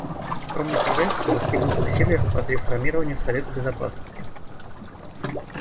Скромный прогресс достигнут в усилиях по реформированию Совета Безопасности.